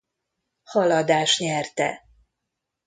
Haladás nyerte.